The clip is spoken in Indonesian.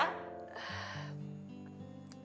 bagaimana kalau saya jemput ibu ya